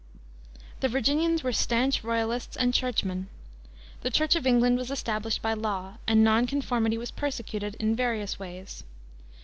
The Virginians were stanch royalists and churchmen. The Church of England was established by law, and non conformity was persecuted in various ways.